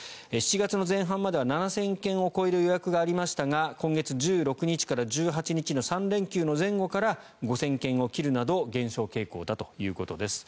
７月前半までは７０００件を超える予約がありましたが今月１６日から１８日の３連休の前後から５０００件を切るなど減少傾向だということです。